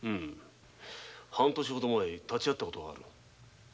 半年ほど前立ち合った事がある。